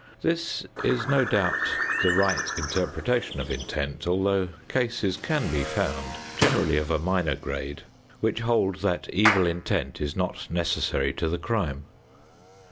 This is no doubt the right interpretation of intent, although cases can be found, generally of a minor grade, which hold that evil intent is not necessary to the crime.